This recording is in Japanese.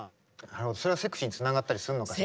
それはセクシーにつながったりするのかな？